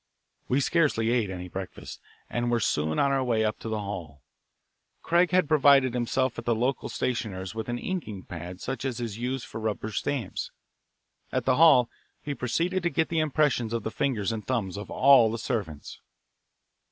We scarcely ate any breakfast, and were soon on our way up to the hall. Craig had provided himself at the local stationer's with an inking pad, such as is used for rubber stamps. At the hall he proceeded to get the impressions of the fingers and thumbs of all the servants.